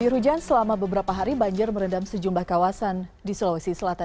air hujan selama beberapa hari banjir merendam sejumlah kawasan di sulawesi selatan